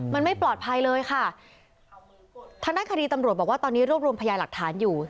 มันไม่ปลอดภัยเลยค่ะทางด้านคดีตำรวจบอกว่าตอนนี้รวบรวมพยาหลักฐานอยู่